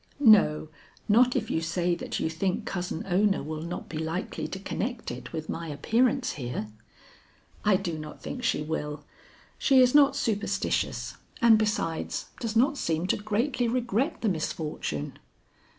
"No, not if you say that you think Cousin Ona will not be likely to connect it with my appearance here." "I do not think she will; she is not superstitious and besides does not seem to greatly regret the misfortune."